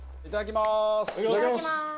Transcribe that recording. いただきます！